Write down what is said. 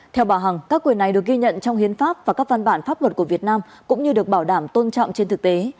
theo bà hằng các quyền này được ghi nhận trong hiến pháp và các văn bản pháp luật của việt nam cũng như được bảo đảm tôn trọng trên thực tế